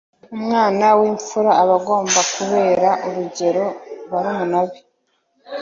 umwana w imfura abagomba kubera urugero barumuna be